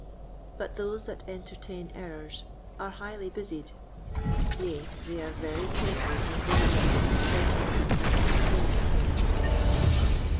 But those that entertain errors are highly busied, yea, they are very careful and diligent how to keep and maintain the same.